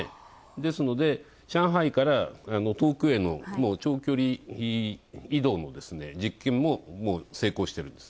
ですので、上海から遠くへの長距離移動の実験も成功しているんです。